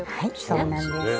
はいそうなんです。